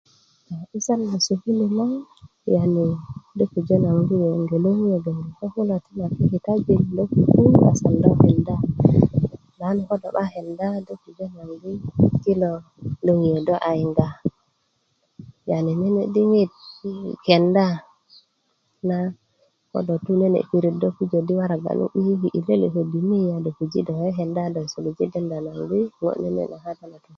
'busan na sukulu na yani do pujö naŋ di i yengi loŋiyo loŋ kulo ti kitajin do pupu masan do kenda lakin ko do 'baa kenda do pujö naŋ di kilo loŋiyo do a yiŋa yani nene' diŋit kenda na ko do tu nene pirit do pujö di waraga nu 'bikiki' i lele' ködini a do kekenda a do suluji' denda naŋ di ŋo' nene' na kata ni